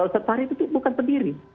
setari itu bukan pendiri